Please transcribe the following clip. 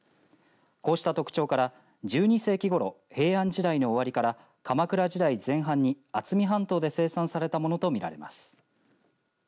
こうした特徴から１２世紀ごろ平安時代の終わりから鎌倉時代前半に渥美半島で生産されたものとみられます。